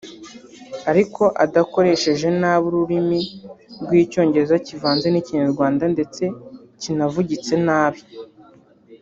ariko adakoresheje nabi ururimi rw’Icyongereza kivanze n’Ikinyarwanda ndetse kinavugitse nabi